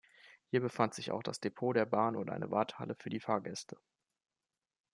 Hier befand sich auch das Depot der Bahn und eine Wartehalle für die Fahrgäste.